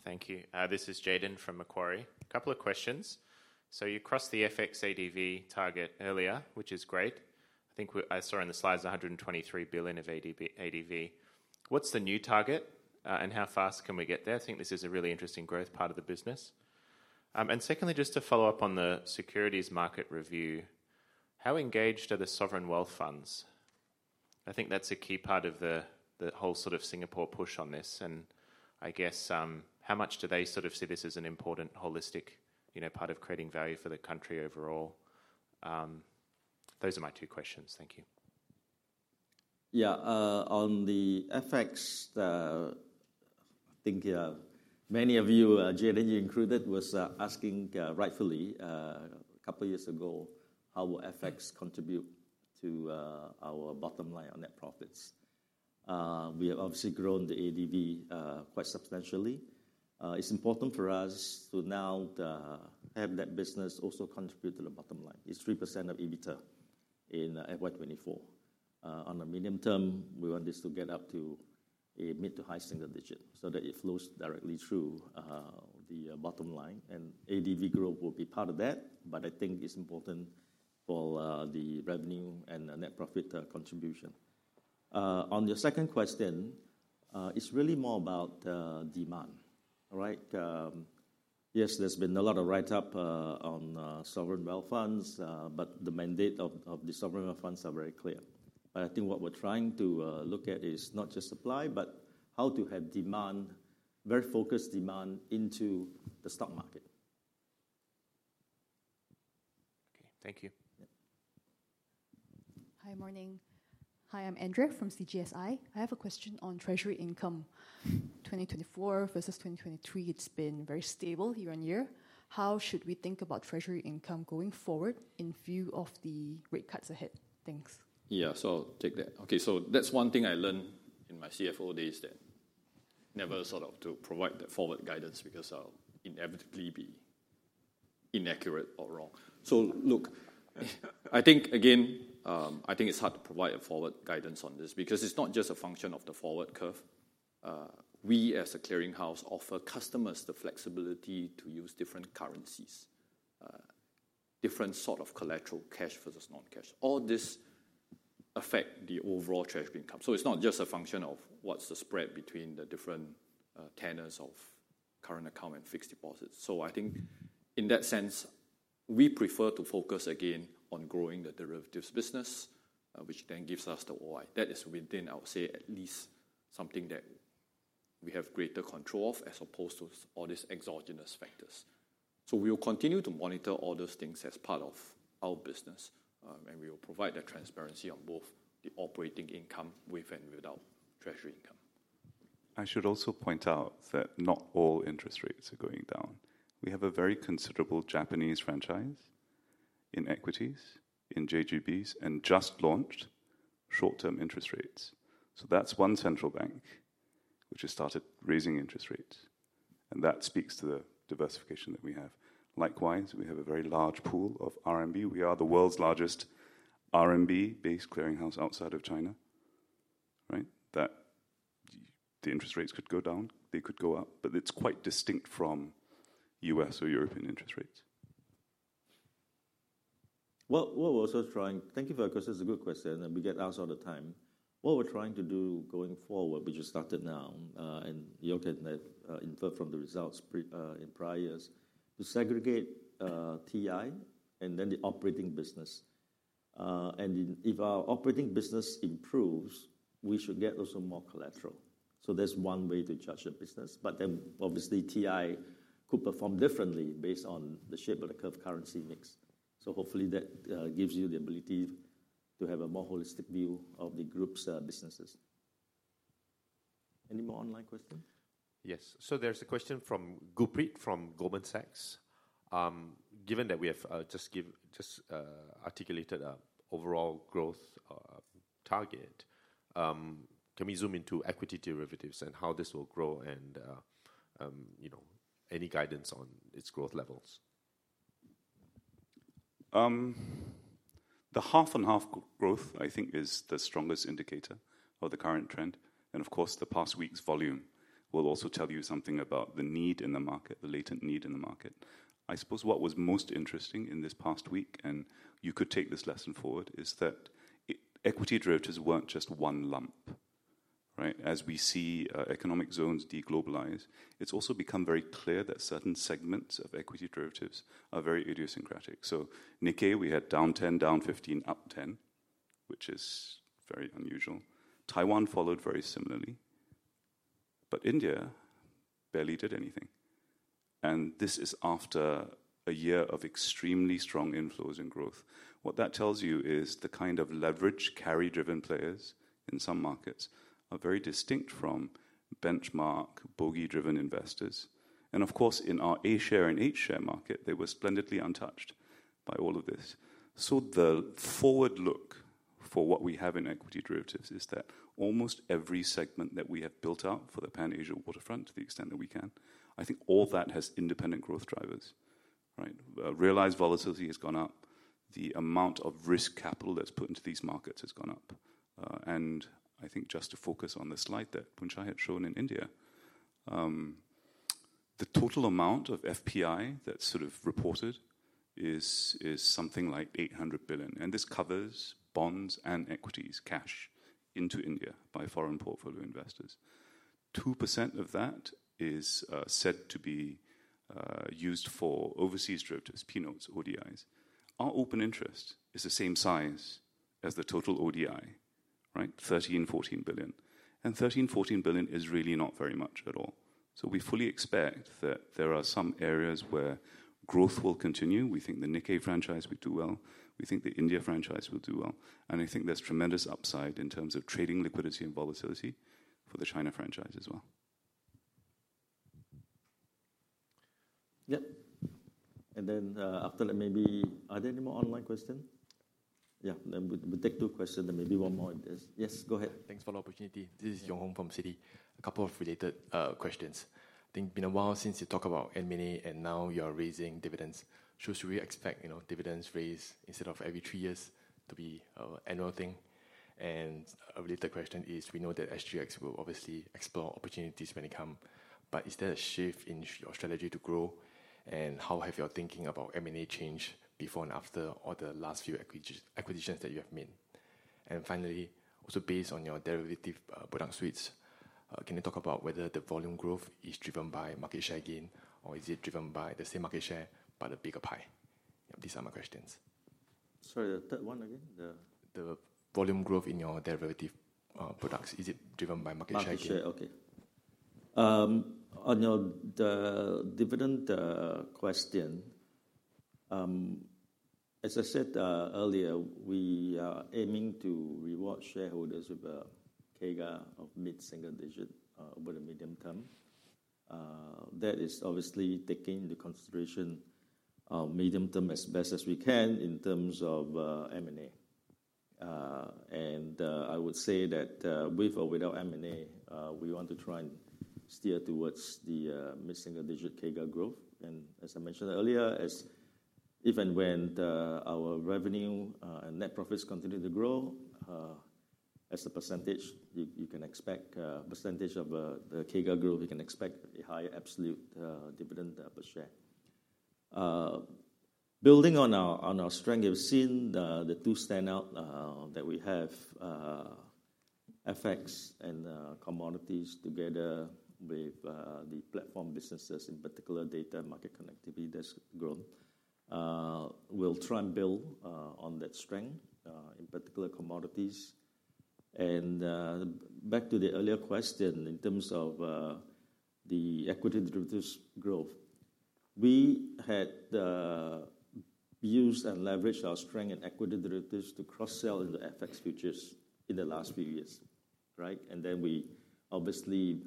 Thank you. This is Jayden from Macquarie. A couple of questions. So you crossed the FX ADV target earlier, which is great. I think I saw in the slides 123 billion of ADV. What's the new target, and how fast can we get there? I think this is a really interesting growth part of the business. And secondly, just to follow up on the securities market review, how engaged are the sovereign wealth funds? I think that's a key part of the whole sort of Singapore push on this, and I guess, how much do they sort of see this as an important holistic, you know, part of creating value for the country overall? Those are my two questions. Thank you. Yeah, on the FX, I think, many of you, Jayden included, was asking, rightfully, a couple of years ago, how will FX contribute to, our bottom line on net profits? We have obviously grown the ADV quite substantially. It's important for us to now have that business also contribute to the bottom line. It's 3% of EBITDA in FY 2024. On the medium term, we want this to get up to a mid- to high single digit, so that it flows directly through the bottom line, and ADV growth will be part of that, but I think it's important for the revenue and the net profit contribution. On your second question, it's really more about demand, right? Yes, there's been a lot of write-up on sovereign wealth funds, but the mandate of the sovereign wealth funds are very clear. But I think what we're trying to look at is not just supply, but how to have demand, very focused demand into the stock market. Okay. Thank you. Yep. Hi, morning. Hi, I'm Andrea from CGSI. I have a question on Treasury Income. 2024 versus 2023, it's been very stable year-over-year. How should we think about Treasury Income going forward in view of the rate cuts ahead? Thanks. Yeah, so I'll take that. Okay, so that's one thing I learned in my CFO days, that never sort of to provide the forward guidance because I'll inevitably be inaccurate or wrong. So look, I think, again, I think it's hard to provide a forward guidance on this because it's not just a function of the forward curve. We, as a clearinghouse, offer customers the flexibility to use different currencies, different sort of collateral, cash versus non-cash. All this affect the overall treasury income. So it's not just a function of what's the spread between the different, tenors of current account and fixed deposits. So I think in that sense, we prefer to focus again on growing the derivatives business, which then gives us the OI. That is within, I would say, at least something that we have greater control of, as opposed to all these exogenous factors. We will continue to monitor all those things as part of our business, and we will provide that transparency on both the operating income, with and without treasury income. I should also point out that not all interest rates are going down. We have a very considerable Japanese franchise in equities, in JGBs, and just launched short-term interest rates. So that's one central bank which has started raising interest rates, and that speaks to the diversification that we have. Likewise, we have a very large pool of RMB. We are the world's largest RMB-based clearinghouse outside of China, right? That the interest rates could go down, they could go up, but it's quite distinct from U.S. or European interest rates. Thank you for that question. It's a good question, and we get asked all the time. What we're trying to do going forward, which we started now, and you can infer from the results pre, in prior years, to segregate TI and then the operating business. And if our operating business improves, we should get also more collateral. So that's one way to judge a business. But then, obviously, TI could perform differently based on the shape of the curve currency mix. So hopefully that gives you the ability to have a more holistic view of the group's businesses. Any more online questions? Yes. So there's a question from Gurpreet, from Goldman Sachs. Given that we have just articulated an overall growth target, can we zoom into equity derivatives and how this will grow and, you know, any guidance on its growth levels? The half-on-half growth, I think, is the strongest indicator of the current trend. Of course, the past week's volume will also tell you something about the need in the market, the latent need in the market. I suppose what was most interesting in this past week, and you could take this lesson forward, is that equity derivatives weren't just one lump.... right? As we see, economic zones de-globalize, it's also become very clear that certain segments of equity derivatives are very idiosyncratic. So Nikkei, we had down 10, down 15, up 10, which is very unusual. Taiwan followed very similarly. India barely did anything, and this is after a year of extremely strong inflows and growth. What that tells you is the kind of leverage carry-driven players in some markets are very distinct from benchmark bogey-driven investors. Of course, in our A-share and H-share market, they were splendidly untouched by all of this. So the forward look for what we have in equity derivatives is that almost every segment that we have built out for the Pan Asia waterfront, to the extent that we can, I think all that has independent growth drivers, right? Realized volatility has gone up. The amount of risk capital that's put into these markets has gone up. And I think just to focus on the slide that Boon Chye had shown in India, the total amount of FPI that's sort of reported is something like 800 billion, and this covers bonds and equities, cash into India by foreign portfolio investors. 2% of that is said to be used for overseas derivatives, P-Notes, ODIs. Our open interest is the same size as the total ODI, right? 13 billion-14 billion. 13 billion-14 billion is really not very much at all. We fully expect that there are some areas where growth will continue. We think the Nikkei franchise will do well, we think the India franchise will do well, and I think there's tremendous upside in terms of trading liquidity and volatility for the China franchise as well. Yeah. And then, after that, maybe... Are there any more online question? Yeah, then we take two questions, then maybe one more if there's- Yes, go ahead. Thanks for the opportunity. This is Yong Hong from Citi. A couple of related questions. I think been a while since you talk about M&A, and now you are raising dividends. Should, should we expect, you know, dividends raised instead of every three years to be an annual thing? And a related question is, we know that SGX will obviously explore opportunities when they come, but is there a shift in your strategy to grow? And how have your thinking about M&A changed before and after all the last few acquisitions that you have made? And finally, also based on your derivative product suites, can you talk about whether the volume growth is driven by market share gain, or is it driven by the same market share but a bigger pie? Yeah, these are my questions. Sorry, the third one again, The volume growth in your derivative products, is it driven by market share gain? Market share, okay. On your dividend question, as I said earlier, we are aiming to reward shareholders with a CAGR of mid-single digit over the medium term. That is obviously taking into consideration medium term as best as we can in terms of M&A. And I would say that with or without M&A, we want to try and steer towards the mid-single digit CAGR growth. And as I mentioned earlier, even when our revenue and net profits continue to grow as a percentage, you can expect percentage of the CAGR growth; you can expect a higher absolute dividend per share. Building on our strength, you've seen the two standout that we have, FX and commodities, together with the platform businesses, in particular, data and market connectivity, that's grown. We'll try and build on that strength, in particular, commodities. Back to the earlier question, in terms of the equity derivatives growth. We had used and leveraged our strength in equity derivatives to cross-sell into FX futures in the last few years, right? And then we obviously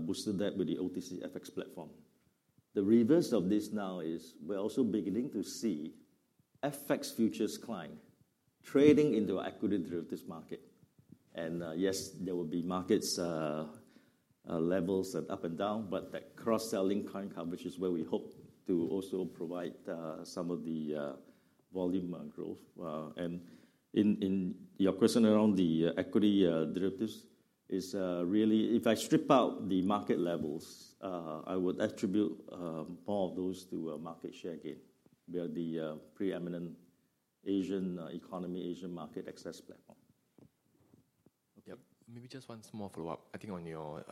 boosted that with the OTC FX platform. The reverse of this now is we're also beginning to see FX futures client trading into equity derivatives market. Yes, there will be markets levels that up and down, but that cross-selling client coverage is where we hope to also provide some of the volume and growth. And in your question around the equity derivatives is really, if I strip out the market levels, I would attribute more of those to a market share gain. We are the preeminent Asian economy, Asian market access platform. Okay. Maybe just one small follow-up. I think on your,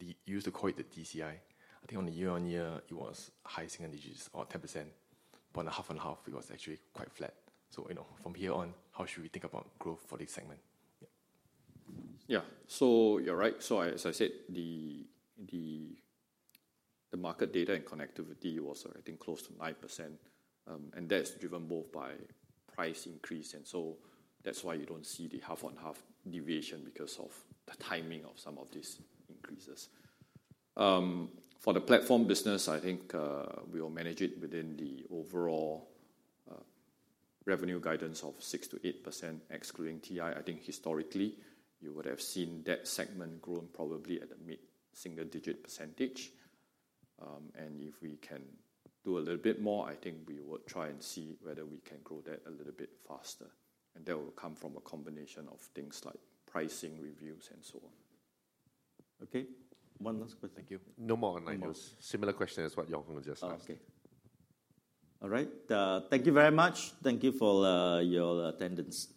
you used to call it the DCI. I think on a year-on-year, it was high single digits or 10%, but on a half-on-half, it was actually quite flat. So, you know, from here on, how should we think about growth for this segment? Yeah. Yeah. So you're right. So as I said, the market data and connectivity was, I think, close to 9%, and that's driven both by price increase, and so that's why you don't see the half-on-half deviation because of the timing of some of these increases. For the platform business, I think, we will manage it within the overall, revenue guidance of 6%-8%, excluding TI. I think historically, you would have seen that segment growing probably at a mid-single digit percentage. And if we can do a little bit more, I think we will try and see whether we can grow that a little bit faster, and that will come from a combination of things like pricing, reviews, and so on. Okay, one last question. Thank you. No more online questions. No more. Similar question as what Yong Hong just asked. Okay. All right, thank you very much. Thank you for your attendance.